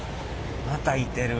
またいてる。